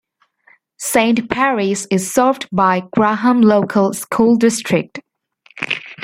Saint Paris is served by Graham Local School District.